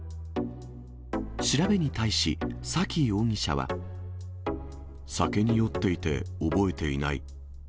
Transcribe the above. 調べに対し、酒に酔っていて覚えていない。